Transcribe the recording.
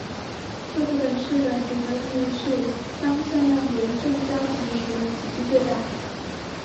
这不等式的几何意义是当向量为正交集时体积最大。